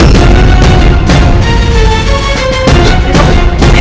tidak perlu kalian bersusah payah